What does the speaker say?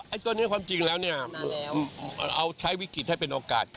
ตัวนี้ความจริงแล้วเนี่ยเราใช้วิกฤตให้เป็นโอกาส